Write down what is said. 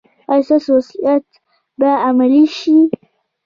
ایا ستاسو وصیت به عملي شي؟